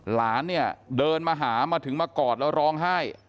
หลานเนี่ยเดินมาหามาถึงมากอดแล้วร้องไห้